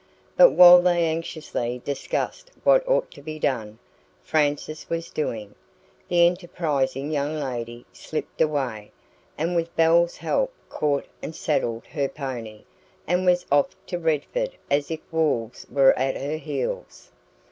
But while they anxiously discussed what ought to be done, Frances was doing. The enterprising young lady slipped away, and with Belle's help caught and saddled her pony, and was off to Redford as if wolves were at her heels.